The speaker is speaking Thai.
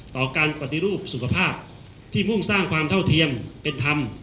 ต่อการปฏิรูปสุขภาพที่มุ่งสร้างความเท่าเทียมเป็นธรรม